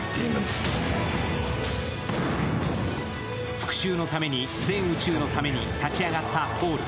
復しゅうのために、全宇宙のために立ち上がったポール。